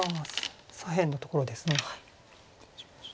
左辺のところですね。